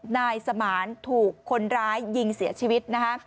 นายสมานถูกคนร้ายยิงเสียชีวิตนะคะ